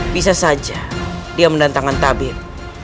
bisa saja dia mendatangkan tabib